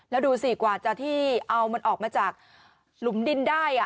แล้วดูสิกว่าจะที่เอามันออกมาจากหลุมดินได้